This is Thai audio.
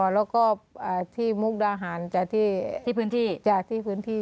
แล้วก็ที่มุกดาหารจากที่พื้นที่จากที่พื้นที่